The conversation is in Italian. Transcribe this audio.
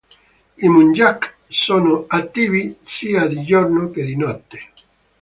I muntjak sono attivi sia di giorno che di notte.